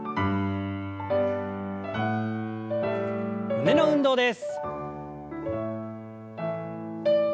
胸の運動です。